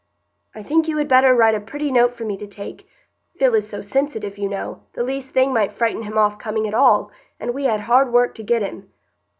"I think you had better write a pretty note for me to take; Phil is so sensitive, you know, the least thing might frighten him off coming at all, and we had hard work to get him.